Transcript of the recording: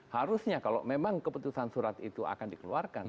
harusnya kalau memang keputusan surat itu akan dikeluarkan